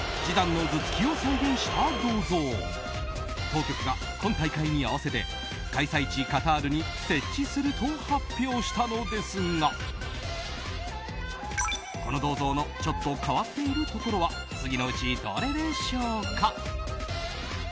当局が今大会に合わせて開催地カタールに設置すると発表したのですが、この銅像のちょっと変わっているところは次のうちどれでしょうか？